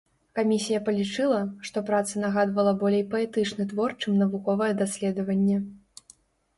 Камісія палічыла, што праца нагадвала болей паэтычны твор чым навуковае даследаванне.